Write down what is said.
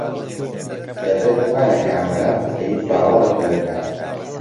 دەبێت وا لە کامەران بکەیت باوەڕت پێ بکات.